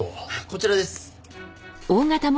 こちらです。